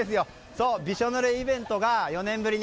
そう、びしょぬれイベントが４年ぶりに。